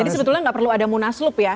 jadi sebetulnya gak perlu ada munaslub ya